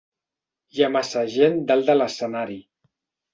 Hi ha massa gent dalt de l'escenari.